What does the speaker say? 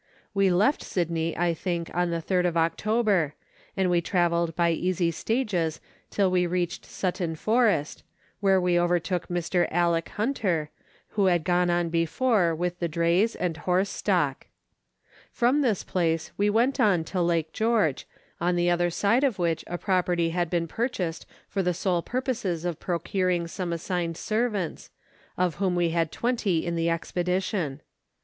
We left Sydney, I think, on the 3rd of Letters from Victorian Pioneers. 169 October, and travelled by easy stages till we reached Sutton Forest, where we overtook Mr. Alick Hunter, who had gone on before with the drays and horse stock. From this place we went on to Lake George, on the other side of which a property had been purchased for the sole purposes of procuring some assigned servants, of whom we had twenty in the expedition.